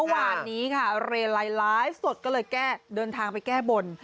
วันนี้ค่ะเรลายล้ายสดก็เลยแก้เดินทางไปแก้บ่น